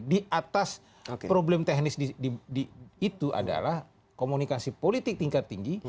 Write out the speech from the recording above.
di atas problem teknis itu adalah komunikasi politik tingkat tinggi